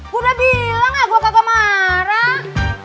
gua udah bilang ya gua kagak marah